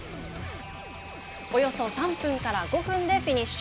およそ３分から５分でフィニッシュ。